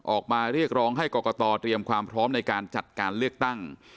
ออกมาเรียกร้องให้กรกตเตรียมความพร้อมในการจัดการเลือกตั้ง